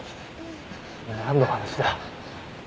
なんの話だ？